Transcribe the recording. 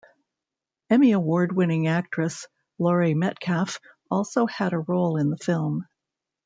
Emmy Award-winning actress Laurie Metcalf also had a role in the film.